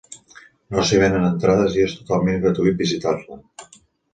No s'hi venen entrades i és totalment gratuït visitar-la.